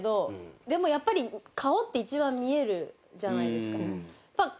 でもやっぱり顔って一番見えるじゃないですか。